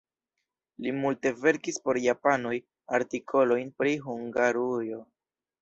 Li multe verkis por japanoj artikolojn pri Hungarujo.